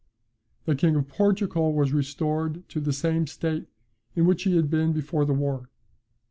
The King of Portugal was restored to the same state in which he had been before the war.